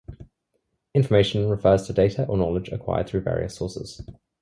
Information refers to data or knowledge acquired through various sources.